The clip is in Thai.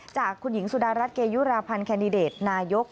จากคุณหญิงสุดารัฐเกยุราพันธ์แคนดิเดตนายก